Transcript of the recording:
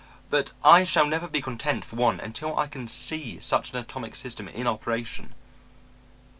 But I shall never be content, for one, until I can see such an atomic system in operation.'